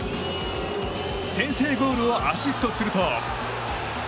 先制ゴールをアシストすると。